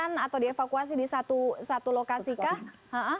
di pusatkan atau dievakuasi di satu lokasi kah